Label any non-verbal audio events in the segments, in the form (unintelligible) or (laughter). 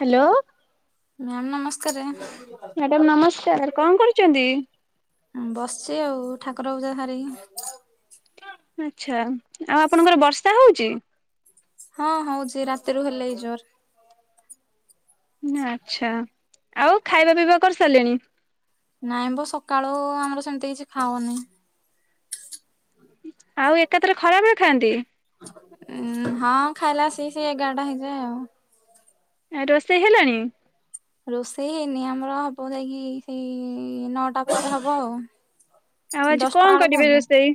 Hello ma'am ନମସ୍କାର। Madam ନମସ୍କାର କଣ କରୁଚନ୍ତି? ହଁ ବସିଛି ଆଉ ଠାକୁର ପୂଜା ସାରିକି। ଆଛା ଆଉ ଆପଣଙ୍କର ବର୍ଷା ହଉଚି। ହଁ ହଉଛି ରାତିରୁ ହେଲେ ଏଇ ଜୋର। ଆଛା ଆଉ ଖାଇବା ପିଇବା କରିସାରିଲେଣି। ନାଇଁ ବୋ ସକାଳୁ ଆମର ସେମିତି କିଛି ଖାଉନି। ଆଉ ଏକାଥରେ ଖରାବେଳେ ଖାଆନ୍ତି। ଉଁ ହଁ ଖାଇଲା ସିସି ସେ ଏଗାରଟା ହେଇଯାଏ ଆଉ। ରୋଷେଇ ହେଲାଣି। ରୋଷେଇ ହେଇନି ଆମର ହବ ଯାଇକି ସେଇ ନଅଟା ପରେ ହବ ଆଉ। ଆଉ ଆଜି କଣ ଦଶଟା କରିବେ ଏଳକୁୁହବ। ରୋଷେଇ?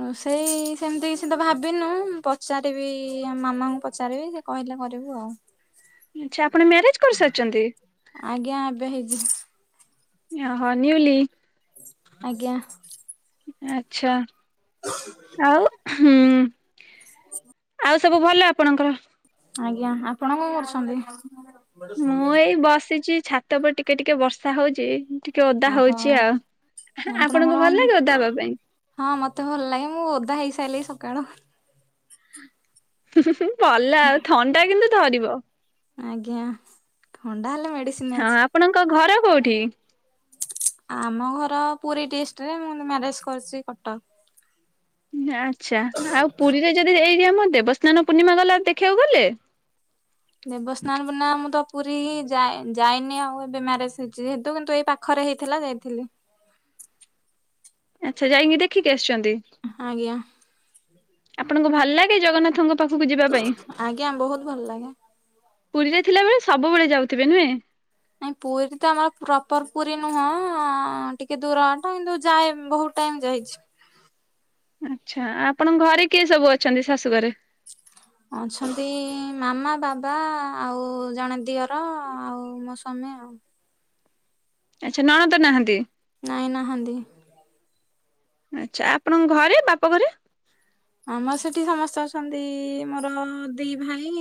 ହ ସେଇ ସେମିତି କିଛି ତ ଭାବିନୁ ପଚାରିବି ଆ ମାମାଙ୍କୁ ପଚାରିବି କହିଲେ କରିବୁ ଆଉ। ଆଛା ଆପଣ ମ୍ୟାରେଜ କରିସାରିଛନ୍ତି। ଆଜ୍ଞା ଏବେ ହେଇଚି। ଅହୋ ନିଉଲି। ଆଜ୍ଞା। ଆଛା। ଆଉ ହୁଁ ଆଉ ସବୁ ଭଲ ଆପଣଙ୍କର। ଆଜ୍ଞା ଆପଣ କଣ କରୁଛନ୍ତି? ମୁଁ ଏଇ ବସିଛି ଛାତ ଉପରେ ଟିକେ ଟିକେ ବର୍ଷା ହଉଚି କି ଓଦା ଓହୋ ହୋଉଚି ଆଉ ଆପଣଙ୍କୁ ଭଲ ଆପଣଙ୍କର ଲାଗେ ଓଦା ହବା ପାଇଁ। ହଁ ମତେ ଭଲ ଲାଗେ ମୁଁ ଓଦା ହେଇସାଇଲି ସକାଳୁ। ହୁଁ ହୁଁ ଭଲ ଆଉ ଥଣ୍ଡା କିନ୍ତୁ ଧରିବ। ଆଜ୍ଞା ଥଣ୍ଡା ହେଲେ ମେଡିସି ହଁ ଆପଣଙ୍କ ଘର କୋଉଠି? ଆମ ଘର ପୁରୀ ଡିଷ୍ଟରେ ମୁଁ ମ୍ୟାରେଜ କରିଛି କଟକ। ଆଛା ଆଉ ପୁରୀରେ ଯଦି ଏଇ ଆମ ଦେବସ୍ନାନ ପୂର୍ଣ୍ଣିମା ଗଲା ଦେଖିଆକୁ ଗଲେ। ଦେବସ୍ନାନ ପୂର୍ଣ୍ଣମା ମୁଁ ତ ପୁରୀ ହି ଯାଇ ଯାଇନି ଆଉ ଏବେ ମ୍ୟାରେଜ ହେଇଛି ଯେହେତୁ କିନ୍ତୁ ଏଇ ପାଖ ଖରେ ହେଇଥିଲା ଯାଇଥିଲି। ଆଚ୍ଛା ଯାଇକିଁ ଦେଖିକି ଆସିଛନ୍ତି। ଆଜ୍ଞା। ଆପଣଙ୍କୁ ଭଲ ଲାଗେ ଜଗନ୍ନାଥଙ୍କ ପାଖକୁ ଯିବା ପାଇଁ। ଆଜ୍ଞା ବହୁତ ଭଲ ଲାଗେ। ପୁରୀରେ ଥିଲାବେଳେ ସବୁବେଳେ ଯାଉଥିବେ ନୁହେଁ। ନାଇଁ ପୁରୀ ତ ଆମର ପ୍ରପର ପୁରୀ ନୁହଁ ଟିକେ ଦୂର ବାଟ କିନ୍ତୁ ଯାଏ ବୋହୁତ ଟାଇମ ଯାଇଚି। ଆଛା ଆପଣଙ୍କ ଘରେ କିଏ ସବୁ ଅଛନ୍ତି ଶାଶୁଘରେ? ଅଛନ୍ତି ମାମା ବାବା ଆଉ ଜଣେ ଦିଅର୍। ର ଆଉ ମୋ ସ୍ୱାମୀ ଆଉ। ଆଛା ନଣନ୍ଦ ନାହାନ୍ତି। ନାଇଁ ନାହାନ୍ତି। ଆଚ୍ଛା ଆପଣଙ୍କ ଘରେ ବାପଘରେ। ଆମର ସେଠି ସମସ୍ତେ ଅଛନ୍ତି ମୋର ମ ଦି ଭାଇ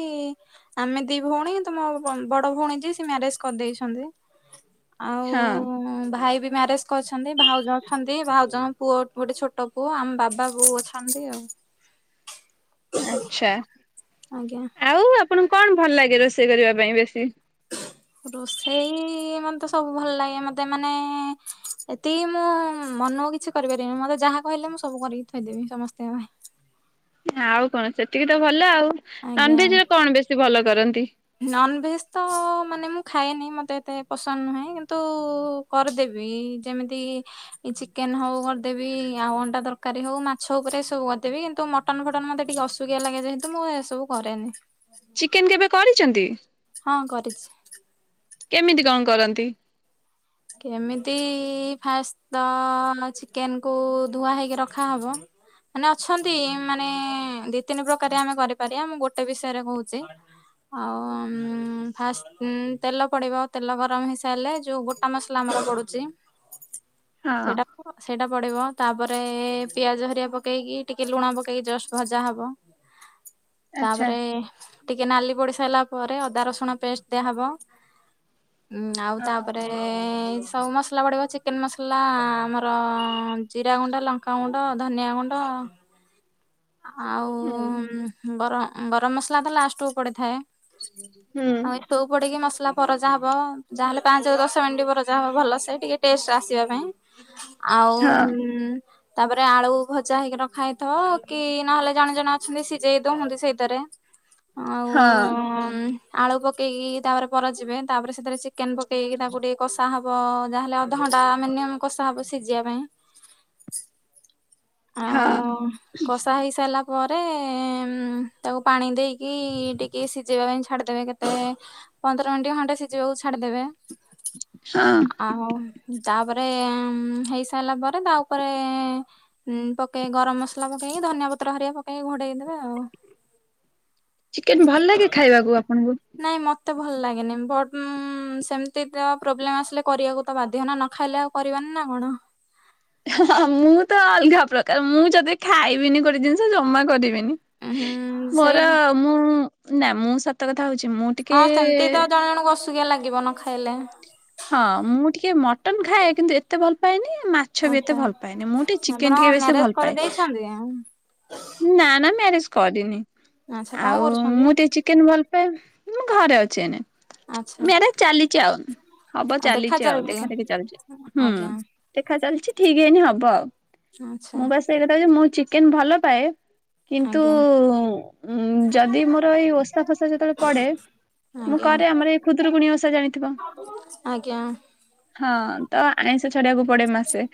ଆମେ ଦି ଭଉଣୀ ତ ମୋ ବ ବଡ ଭଉଣୀ ଯେ ସେ ମ୍ୟାରେଜ କରିଦେଇଛନ୍ତି। ହଁ ଆଉ ଭାଇ ବି ମ୍ୟାରେଜ କରିଛନ୍ତି ଭାଉଜ ଅଛନ୍ତି ଭାଉଜ ପୁଅ ଗୋଟେ ଛୋଟ ପୁଅ ଆମ ବାବା ବୋଉ ଅଛନ୍ତି ଆଉ। ଆଚ୍ଛା ଆଜ୍ଞା ଆଉ ଆପଣଙ୍କୁ କଣ ଭଲ ଲାଗେ ରୋଷେଇ କରିବା ପାଇଁ ବେଶି। ରୋଷେଇ ମତେ ସବୁ ଭଲ ଲାଗେ ମତେ ମାନେ ଏତିକି ମୁଁ ମନକୁ କିଛି କରିପାରିନି ମତେ ଯାହା କହିଲେ ମୁଁ ସବୁ କରିକି ଥୋଇଦେବି ସମସ୍ତିଙ୍କ ପାଇଁ। ଆଉ କଣ ସେତିକି ତ ଭଲ ଆଉ ନନ୍ ଭେଜ୍ ରେ କଣ ବେଶୀ ଭଲ କରନ୍ତି। ନନ୍ ଭେଜ୍ ତ ମାନେ ମୁଁ ଖାଏନି ମୋତେ ଏତେ ପସନ୍ଦ ନୁହେଁ କିନ୍ତୁ କରିଦେବି ଯେମିତିକି ଇ ଚିକେନ ହଉ କରିଦେବି ଆଉ ଅଣ୍ଡା ତରକାରୀ ହଉ ମାଛ ଉପରେ ସବୁ କରିଦେବି କିନ୍ତୁ ମଟ ଟନ ଫଟନ ମତେ ଟିକେ ଅସୁକିଆ ଲାଗେ ଯେହେତୁ ମୁଁ ଏସବୁ କରେନି। ଚିକେନ କେବେ କରିଚନ୍ତି? ହଁ କରିଛି। କେମିତି କଣ କରନ୍ତି? କେମିତି, ଫାଷ୍ଟ ତ ଚିକେନକୁୁ ଧୁଆ ହେଇକି ରଖାହବ। ମାନେ ଅଛନ୍ତି ମାନେ ଦି ତିନି ପ୍ରକାରିଆ ଆମେ କରିପାରିବା। ମୁଁ ଗୋଟେ ବିଷୟରେ କହୁଛି। ଆଉଁ ଫାଷ୍ଟ ଉଁ ତେଲ ପଡିବ। ତେଲ ଗରମ ହେଇସାରିଲେ ଯୋଉ ଗୋ ଟା ମସଲା ଆମର ପଡୁଚି, ହଁ ସେଟା ସେଇଟା ପଡିବ। ତାପରେ ପିଆଜ ହେରିଆ ପକେଇକି ଟିକେ ଲୁଣ ପକେଇକି ଜଷ୍ଟ ଭଜା ହବ। (inaudible) ତାପରେ ଟିକେ ନାଲି ପଡ଼ି ସାରିଲା ପରେ ଅଦା ରସୁଣ ପେଷ୍ଟ ଦିଆହବ। ଉଁ ଆଉ ହଁ ତାପରେ ସବୁ ମସଲା ପଡିବ। ଚିକେନ ମସଲା, ମ ର ଜିରାଗୁଣ୍ଡ, ଲଙ୍କାଗୁଣ୍ଡ, ଧନିଆ ଗୁଣ୍ଡ। ଆଉ ହୁଁ। ଗର ଗରମ ମସଲା ତ ଲାଷ୍ଟକୁୁ ପଡିଥାଏ। ହୁଁ (unintelligible) ସବୁ ପଡ଼ିକି ମସଲା ପରଜା ହବ। ଯାହାହେଲେ ପାଞ୍ଚେରୁ ଦଶ ମିନିଟ୍ ପରଜା ହବ ଭଲସେ, ଟିକେ ଟେଷ୍ଟ ଆସିବା ପାଇଁ। ଆଉ ହଁ ଉଁ ତାପରେ ଆଳୁ ଭଜା ହେଇକି ରଖା ହେଇଥବ। କି ନହେଲେ ଜଣେ ଜଣେ ଅଛନ୍ତି ସିଝେଇ ଦଉଁସନ୍ତି ସେଇତରେ। ଆଉ ହଁ ଆଳୁ ପକେଇକି ତାପରେ ପରଚିବେ। ତାପରେ ସେଥିରେ ଚିକେନ ପକେଇକି ତାକୁ ଟିକେ କଷା ହବ ଯାହାହେଲେ ଅଧ ଘ ଧ ଘଣ୍ଟା ମିନିଅମ୍ କଷା ହବ ସିଝିଆ ପାଇଁ। ହଁ ଆଉ କଷା ହେଇସାରିଲା ପରେ ଉଁ ତାକୁ ପାଣି ଦେଇ କି ଟିକେ ସିଝେଇବା ପାଇଁ ଛାଡିଦେବେ କେତେ ତେ ପନ୍ଦର ମିଣ୍ଟି ଖଣ୍ଡେ ସିଝେଇବାକୁ ଛାଡିଦେବେ। ହଁ ଆଉ ତାପରେ ଉଁ ହେଇ ସାରିଲା ପରେ ତା ଉପରେ ଉଁ ପକେଇ ଗରମ ମସଲା ପକେଇକି ଧନିଆ ପତ୍ର ହେରିକା ପକେଇକି ଘୋଡେଇଦବେ ଆଉ। ଚିକେନ ଭଲ ଲାଗେ ଖାଇବାକୁ ଆପଣଙ୍କୁ? ନାଇଁ ମତେ ଭଲ ଲାଗେନି। ବଟ ଉଁ ସେମିତି ତ ପ୍ରୋବ୍ଲେମ ଆସିଲେ କରିବାକୁ ତ ବାଧ୍ୟ ନା। ନ ଖାଇଲେ ଆଉ କରିବବାନି ନା କଣ? ହଁ ମୁଁ ତ ଅଲଗା ପ୍ରକାର। ମୁଁ ଯଦି ଖାଇବିନି ଗୋଟେ ଜିନିଷ ଜମା କରିବିନି। ଉହୁଁ ସେଇ ମୋର ମୁଁ ନା ମୁଁ ସତ କଥା ହଉଛି ମୁଁ ଟିକେ ହଁ ସେମିତି ତ ଜଣ ଜଣଙ୍କୁ ଅସୁକିଆ ଲାଗିବ ନ ଖାଇଲେ। ହଁ ମୁଁ ଟିକେ ମଟନ ଖାଏ କିନ୍ତୁ ଏତେ ଭଲ ପାଏନି ମା ମାଛ ବି ଏତେ ଆଚ୍ଛା ଭଲ ପାଏନିଁ ମୁଁ ଟିକେ ଆପଣ ଚିକେନ ଟିକେ ବେଶୀ ମ୍ୟାରେଜ ଭଲ ପାାଏ। (unintelligible) ନା ନା ମ୍ୟାରେଜ କରିନି ଆଚ୍ଛା କଣ ଆଉ କରୁଛନ୍ତି? ମୁଁ ଟିକେ ଚିକେନ ଭଲ ମୁଁ ଘରେ ଅଛି ଏଇନେ ଆଚ୍ଛା ମ୍ୟାରେଜ ଚାଲିଛି ଆଉ ହବ ଆଉ ଦେଖା ଚାଲିଛି ଆଉ ଦେଖା ଦେଖି ଚାଲିଛି ହୁଁ ଆଜ୍ଞା ଦେଖା ଚାଲିଛି ଠିକ ହେଇନି ହବ ଆଉ ଆଛା। ମୁଁ ବା ସେଇ କଥା ହଉଚି ମୁଁ ଚିକେନ ଭଲ ପାଏ କିନ୍ତୁ ଆଜ୍ଞା ଉ ଯଦି ମୋର ଏଇ ଓସା ଫସା ଯେତେବେଳେ ପଡେ ମୁଁ ଆଜ୍ଞା କରେ ଆମର ଏଇ ଖୁଦୁରୁକୁୁଣି ଓଷା ଜାଣିଥିବ? ଆଜ୍ଞା। ହଁ ତ ଆଇଁଷ ଛଡିବାକୁ ପଡେ ମାସେ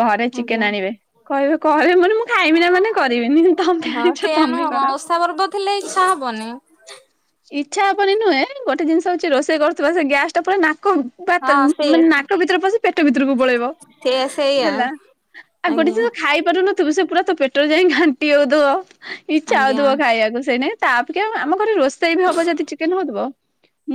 ଘରେ ଆଜ୍ଞା ଚିକେନ ଆଣିବେ କହିବେ କହିବେ ମୁ ମୁଁ ଖାଇବି ନା ମାନେ କରିବିନି ତମେ ଆଣିଛ ତମେ କର ତା ପର୍ବ ଥିଲେ ଇଚ୍ଛା ହବନି। ଇଚ୍ଛା ହପନି ନୁହେଁ ଗୋଟେ ଜିନିଷ ହଉଚି ରୋଷେଇ କରୁଥିବା ସେ ଗ୍ୟାସ ଟା ପୁରା ନାକ ବା ତ ହଁ ସେ ମାନେ ନାକ ଭିତରେ ପଶି ପେଟ ଭିତରକୁ ପଳେଇବ। ସେ ସେଇଆ ହେଲା ଆଉ ଗୋଟେ ଆଜ୍ଞା। ଜିନିଷ ଖାଇପାରୁନୁ ତୁମ ସେ ପୁରା ତୋ ପେଟରେ ଯାଇ ଘାଣ୍ଟି ହଉ ଥିବ ଇଛା ଆଜ୍ଞା ହଉଥବ ଖାଇବାକୁ ସେନ ତା ଅପେକ୍ଷା ଆମ ଘରେ ରୋଷେଇ ବି ହବ ଯଦି ଚିକେନ ହଉଥିବ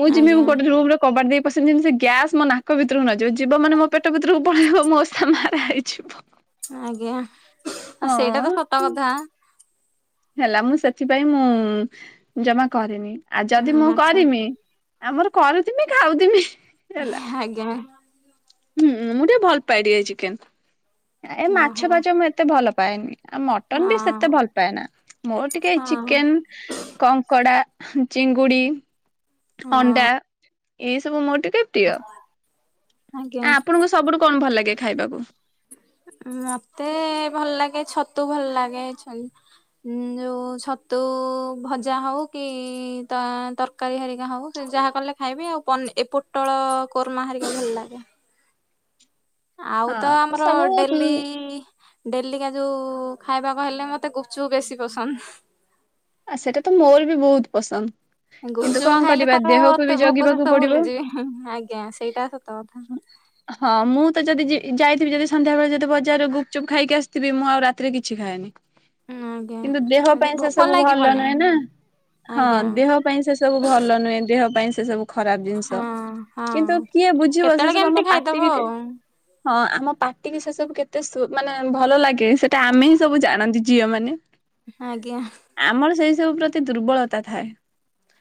ମୁଁ ଯେମି ଆଜ୍ଞା ଗୋଟେ ରୁମ କବାଟ ଦେଇ ପଶିବି ଯେମିତି ଗ୍ୟାସ୍ ମୋ ନାକ ଭିତରକୁ ନ ଯିବ ଯିବ ମାନେ ମୋ ପେଟ ଭିତରକୁ ପଳେଇବ ମୋ ଓଷା ମାରା ହେଇଯିବ। (unintelligible) ଆଜ୍ଞା ଆଉ ସେଇଟା ତ ସତ ହଁ କଥା। ହେଲା ମୁଁ ସେଥିପାଇଁ ମୁଁ ଜମା କରିନି ଆଉ ଯଦି ହୁଁ ମୁଁ ଆଚ୍ଛା କରିମି ଆମର କରୁଥିମି ଖାଉଥିମି ହେଲା? ଆଜ୍ଞା ହୁଁ ମୁଁ ଟିକେ ଭଲ ପାଏ ଟିକେ ଚେକେନ ଏ ଓହୋ ମାଛ ଫାଚ ମୁଁ ଏତେ ଭଲ ପାଏନି ଆଉ ମଟନ୍ ବି ସେତେ ହଁ ଭଲ ପାଏନା ମୋର ଟିକେ ହଁ। ଚିକେନ କଙ୍କଡ଼ା ଚିଙ୍ଗୁଡି ଅଣ୍ଡା ହଁ ଏଇ ସବୁ ମୋର ଟିକେ ପ୍ରିୟ ଆ ଆଜ୍ଞା ଆପଣଙ୍କୁ ସବୁଠୁ କଣ ଭଲ ଲାଗେ ଖାଇବାକୁ? ମତେ ଭଲ ଲାଗେ ଛତୁ ଭଲ ଲାଗେ ଛ ଉଁ ଯଉ ଛତୁ ଭଜା ହଉ କି ତା ତର ତରକାରୀ ହେରିକା ହଉ ସେ ଯାହା କଲେ ଖାଇବି ଆଉ ପ ପୋଟଳ କୋରମା ହାରିକି ଭଲ ଲାଗେ। ଆଉ ତ ହଁ ଆମର ସବୁ ଡେଲି ଡେଲିକା ଯୋଉ ଖାଇବାକୁ ହେଲେ ମତେ ଗୁପୁଚୁପୁ ବେଶୀ ପସନ୍ଦ। ଆ ସେଟା ତ ମୋର ବି ବହୁତ ପସନ୍ଦ। କିନ୍ତୁ ଗୁପୁଚୁପୁ କଣ ଖାଇଲେ କରିବା ତ ମୁଁ ଦେହକୁ ବି ଏତେ ଭୋକ ଜଗିବାକୁ ଶୋଷ ପଡିବ। ଭୁଲିଯିବି ଆଜ୍ଞା ସେଇଟା ସତ କଥା। (unintelligible) ହଁ ମୁଁ ତ ଯଦି ଯି ଯାଇଥିବି ଯଦି ସନ୍ଦ୍ୟା ବେଳେ ଯଦି ବଜାରରେ ଗୁପଚୁପ୍ ଖାଇକି ଆସିଥିବି ମୁଁ ଆଉ ରାତିରେ କିଛି ଖାଏନି। ଆଜ୍ଞା କିନ୍ତୁ ଦେହ ଆଜି ପାଇଁ ସେ ଭୋକ ସବୁ ଭଲ ଲାଗିବନି ନୁହେଁ ନା ହଁ ଆଜ୍ଞା। ଦେହ ଦେହ ପାଇଁ ସେ ସବୁ ଭଲ ନୁହେଁ ଦେହ ପାଇଁ ସେ ସବୁ ଖରାପ ଜିନିଷ ହଁ ହଁ କିନ୍ତୁ କିଏ ବୁଝିବ ସେ କେତେବେଳେ ସବୁ କେମିତି ଆମ ଖାଇଦବ ପାଟିକି ଆଉ ହଁ ଆମ ପାାର୍ଟି କି ସେ ସବୁ କେତେ ମାନେ ଭଲ ଲାଗେ ସେଟା ଆମେ ହିଁ ସବୁ ଜାଣନ୍ତି ଝିଅ ମାନେ। ଆଜ୍ଞା। ଆମର ସେଇ ସବୁ ପ୍ରତି ଦୁର୍ବଳତା ଥାଏ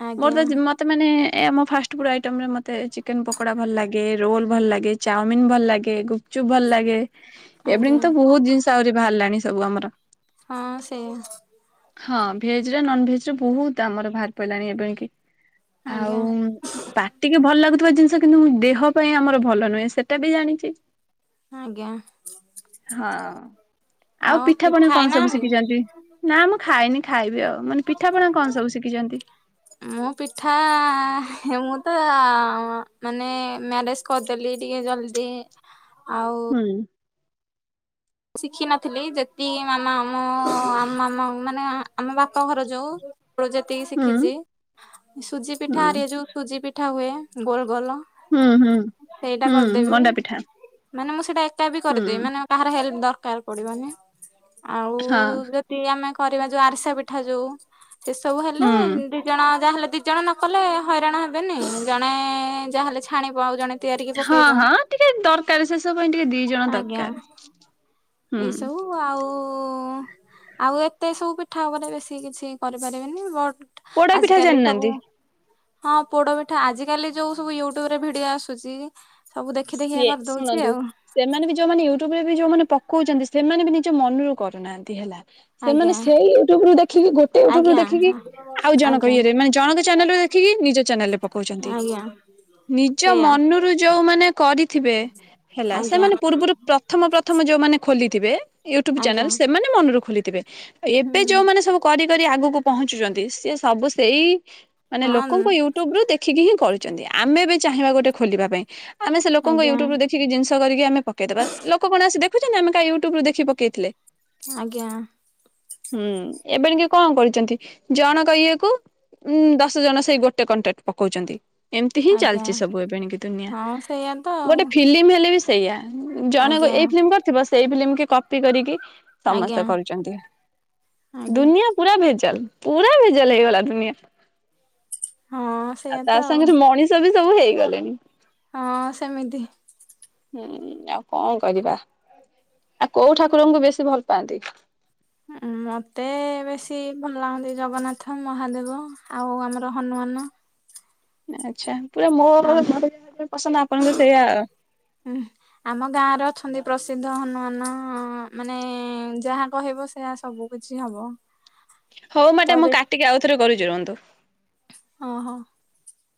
ଆଜ୍ଞା ମୋର ତ ମତେ ମାନେ ଆମ ଫାଷ୍ଟ ଫୁଡ ଆଇଟମ ରେ ମତେ ଚିକେନ ପକୋଡା ଭଲ ଲାଗେ। ରୋଲ ଭଲ ଲାଗେ ଚାଉମିିନ ଭଲ ଲାଗେ ଗୁପଚୁପ୍ ଭଲ ଲାଗେ ଏଭଳି ଆଜ୍ଞା ତ ବହୁତ ଜିନିଷ କେତେ ଆହୁରି ବାହାରିଲାଣି ସବୁ ଆମର। ହଁ ସେଇ ହଁ ଭେଜ ନନ ଭେଜ ର ବହୁତ ଆମର ବାହାର ପଡିଲାଣି ଏବେ କି ଆଜ୍ଞା। ଆଉ ପାଟିକେ ଭଲ ଲାଗୁଥିବା ଜିନିଷ କିନ୍ତୁ ମୁ ଦେହ ପାଇଁ ଆମର ଭଲ ନୁହେଁ ସେଟା ବି ଜାଣିଛି। ଆଜ୍ଞା ହଁ ଆଉ କିଛି ପିଠାପଣା କଣ ସବୁ ଖାଇନାହାନ୍ତି? ଶିଖିଚନ୍ତି? ନା ମୁଁ ଖାଇନି ଖାଇବି ଆଉ ମାନେ ପିଠାପଣା କଣ ସବୁ ଶିଖିଚନ୍ତି? ମୋ ପିଠା ମୁଁ ତ ମାନେ ମ୍ୟାରେଜ କରିଦେଲି ଟିକେ ଜଲଦି ଆଉ ହୁଁ। ଶିଖିନଥିଲି ଯେତିକି ମାମା ଆମ ମାମା ମାନେ ଆମ ବାପା ଘର ଯଉ ପୋ ଯୋତିକି ହୁଁ ଶିଖିଛି ସୁଜି ପିଠା ହୁଁ ଆଏ ଯୋଉ ସୁଜି ପିଠା ହୁଏ ଗୋଲ ଗୋଲ ହୁଁ ହୁଁ ସେଇଟା ହୁଁ କରିଦେବି ମଣ୍ଡା ପିଠା ମାନେ ମୁଁ ସେଇଟା ଏକା ବି ହୁଁ କରିଦେବି ମାନେ କାହାର ହେଲ ଦରକାର ପଡିବନି ଆଉ ହଁ ଯଦି ଆମେ କରିବା ଯୋଉ ଆରିସା ପିଠା ଯୋଉ। ସେ ସବୁ ହେଲେ ହୁଁ ଦି ଜଣ ଯାହାହେଲେ ଦି ଜଣେ ନକଲେ ହଇରାଣ ହେବେନି ଜଣେ ଯାହାହେଲେ ଛାଣିବ ଆଉ ଜଣେ ତିଆରିକି ହଁ ପକେଇବ ହଁ ଟିକେ ଦରକାର ଶେଷବୁ ପାଇଁ ଟିକେ ଦି ଜଣ ଦରକାର। ହୁଁ ଏସବୁ। ଆଉ ଆଉ ଏତେ ସବୁ ପିଠା ଉପରେ ବେଶୀ କିଛି କରିପାରିବେନି ବ ପୋଡ ପିଠା ଜାଣିନାହାନ୍ତି? ହଁ ପୋଡ ପିଠା ଆଜିିକାଲି ଯୋଉ ସବୁ ୟୁଟ୍ୟୁବ ରେ ଭିଡିଓ ଆସୁଛି। ସବୁ ଦେଖି ଦେଖିଆ ସିଏ କରିଦଉଛି ଶୁଣନ୍ତୁ ଆଉ। ସେମାନେ ବି ଯୋଉମାନେ ୟୁଟ୍ୟୁବ ରେ ବି ଯୋଉମାନେ ପକଉଛନ୍ତି ସେମାନେ ବି ନିଜ ମନରୁ କରୁନାହାନ୍ତି ହେଲା। ସେମାନେ ଆଜ୍ଞା ସେଇ ୟୁଟ୍ୟୁବୁ ଦେଖିକି ଗୋଟେ ୟୁଟ୍ୟୁବ ରୁ ଆଜ୍ଞା ଦେଖିକି ଆଉ ଜଣଙ୍କ ଆଜ୍ଞା ଇଏରେ ମାନେ ଜଣଙ୍କ ଚ୍ୟାନେଲ୍ ଦେଖିକି ନିଜ ଚ୍ୟାନେଲରେ ପଉଛନ୍ତି ଆଜ୍ଞା ନିଜ ସେଇଆ ମନରୁ ଯୋଉମାନେ। କରିଥିବେ। ହେଲା ଆଜ୍ଞା ସେମାନେ ପୂର୍ବରୁ ପ୍ରଥମ ପ୍ରଥମ ଯୋଉମାନେ ଖୋଲିଥିବେ ୟୁଟ୍ୟୁବ ଚ୍ୟାନେଲ। ଆଜ୍ଞା ମାନେ ମନରୁ ଖୋଲିଥିବେ ଏବେ ହୁଁ ଯୋଉମାନେ ସବୁ କରି କରି ଆଗକୁ ପହଞ୍ଚୁଛନ୍ତି ସି ସବୁ ସେଇ ମାନେ ହଁ ଲୋକଙ୍କୁ ୟୁ ୟୁଟ୍ୟୁବ ରୁ ଦେଖିକି ହି କରୁଛନ୍ତି ଆମେ ବି ଚାହିଁବା ଗୋଟେ ଖୋଲିବା ପାଇଁ ଆମେ ସେ ଲୋକଙ୍କ ଆଜ୍ଞା ୟୁଟ୍ୟୁବ ରୁ ଦେ ଦେଖିକ ଜିଷ କରିକି ଆମେ ପକେଇଦବା ଲୋକ କଣ ଆସି ଦେଖୁଛନ୍ତି ଆମେ କା ୟୁଟ୍ୟୁବ ରୁ ଦେଖି ପକେଇଥିଲେ। ଆଜ୍ଞା। ହୁଁ ଏବେ ଟିକେ କଣ କରିଛନ୍ତି ଜଣଙ୍କ ଇଏକୁ। ଉଁ ଦଶ ଜଣ ସେଇ ଗୋଟେ କଣ୍ଟେଣ୍ଟ ପକଉଛନ୍ତି ଏମିତି ହିଁ ଆଜ୍ଞା ଚାଲିଛି ସବୁ ଏବେ ଣିକି ଦୁନିଆ। ହଁ ସେଇଆା ତ ଗୋଟେ ଆଉ। ଫିଲ୍ମ ହେଲେ ବି ସେଇୟଆ ଜଣେ ଆଜ୍ଞା ଏଇ ଫିଲ୍ମ କରିଥିବ ସେଇ ଫିଲ୍ମ କି କପି କରିକି। ଆଜ୍ଞା ସମସ୍ତେ କରୁଛନ୍ତି ଆଜ୍ଞା ଦୁନିଆ ପୁରା ଭେଜାଲ ପୁରା ଭେଜାଲ ହେଇଗଲା ଦୁନିଆ। ହଁ ଆଉ ସେଇଆ ତା ତ ସାଙ୍ଗରେ ମଣିଷ ବି ସବୁ ହେଇଗଲେଣି। ହଁ ସେମିତି। ହୁଁ ଆଉ କଣ କରିବା ଆଉ କୋଉ ଠାକୁରଙ୍କୁ ବେଶୀ ଭଲ ପାଆନ୍ତି? ମତେ ବେଶୀ ଭଲ ଲାଗନ୍ତି ଜଗନ୍ନାଥ ମହାଦେବ ଆଉ ଆମର ହନୁମାନ। ଆଚ୍ଛା ପୁରା ମୋର ମୋର ଆମ ଯାହାବି ପସନ୍ଦ ଆପଣଙ୍କୁ ବି ସେଇଆ ଆଉ। ହୁଁ। ଆମ ଗାଁରେ ଅଛନ୍ତି ପ୍ରସିଦ୍ଧ ହନୁମାନ ମାନେ ଯାହା କହିବ ସେୟା ସବୁ। କିଛି ହବ। ହଉ ତ ମେଡମ ମୁଁ ବେଶୀ କାଟିକି ଆଉଥରେ କରୁଛି ରୁହନ୍ତୁ। ଓହୋ।